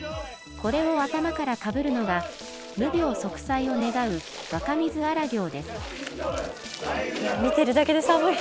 これを頭からかぶるのが、無病息災を願う若水荒行です。